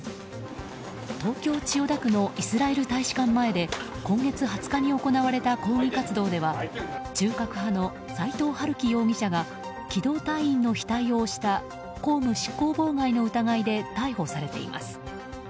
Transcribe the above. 東京・千代田区のイスラエル大使館前で今月２０日に行われた抗議活動では中核派の斎藤晴輝容疑者が機動隊員の額を押した公務執行妨害の疑いで逮捕されています。